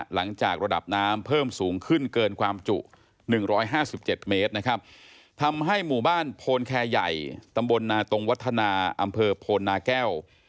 หลังจากระดับน้ำเพิ่มสูงขึ้นเกินความจุ๑๕๗เมตรนะครับทำให้หมู่บ้านโพนแคร์ใหญ่ตำบลนาตรงวัฒนาอำเภอโพนาแก้ว